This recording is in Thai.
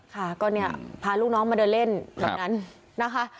ค่ะก็พาลูกน้องมาเดินเล่นเหมือนนั้นนะคะ